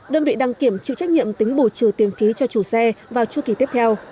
đơn vị đăng kiểm chịu trách nhiệm tính bù trừ tiền phí cho chủ xe vào chu kỳ tiếp theo